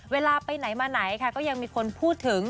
เวลาไปไหนมาไหนค่ะก็ยังมีคนพูดถึง